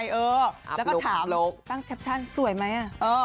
แล้วก็ถามตั้งแคปชั่นสวยไหม